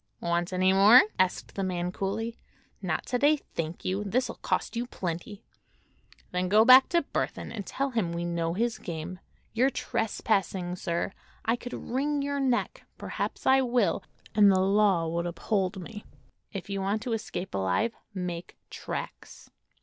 "Want any more?" asked the man coolly. "Not to day, thank you. This'll cost you plenty." "Then go back to Burthon and tell him we know his game. You're trespassing, sir. I could wring your neck—perhaps I will—and the law would uphold me. If you want to escape alive, make tracks."